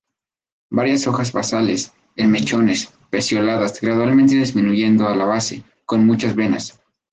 Varias hojas basales, en mechones, pecioladas, gradualmente disminuyendo a la base, con muchas venas.